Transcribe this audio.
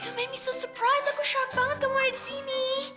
you make me so surprised aku shock banget tuh mau ada di sini